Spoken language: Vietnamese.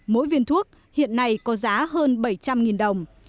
mỗi viên thuốc hiện nay có giá hơn bảy trăm linh đồng